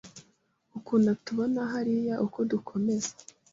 Ukuntu atubona hariya uko dukomeza